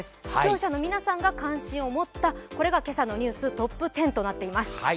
視聴者の皆さんが関心を持った、これが今朝のニューストップ１０となっています。